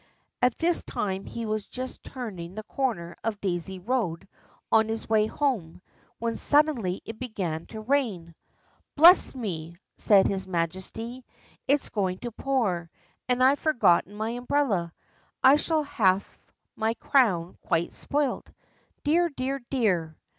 At this time he was just turning the corner of Daisy Road on his way home, when suddenly it began to rain. "Bless me," said his Majesty, "it's going to pour, and I've forgotten my umbrella, I shall have my crown quite spoilt. Dear! dear! dear!"